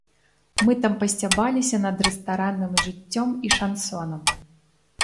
Мы там пасцябаліся над рэстаранным жыццём і шансонам.